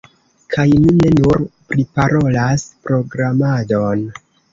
Kaj mi ne nur priparolas programadon